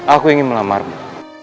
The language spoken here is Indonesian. aku ingin melamarmu